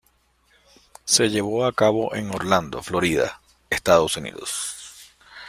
Se llevó a cabo en Orlando, Florida, Estados Unidos.